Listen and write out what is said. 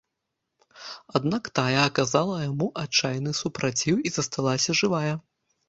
Аднак тая аказала яму адчайны супраціў і засталася жывая.